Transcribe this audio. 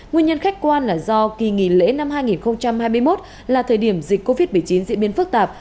nguyên nhân khách quan là do kỳ nghỉ lễ năm hai nghìn hai mươi một là thời điểm dịch covid một mươi chín diễn biến phức tạp